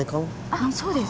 あっそうです！